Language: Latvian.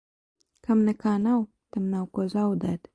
Kam nekā nav, tam nav ko zaudēt.